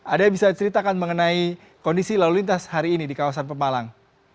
ada bisa ceritakan mengenai kondisi lalu lintas hari ini di kawasan pemalang